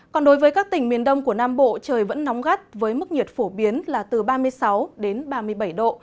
còn đối với các tỉnh miền đông của nam bộ trời vẫn nóng gắt với mức nhiệt phổ biến là từ ba mươi sáu đến ba mươi bảy độ